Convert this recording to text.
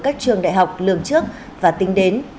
các trường đại học lường trước và tính đến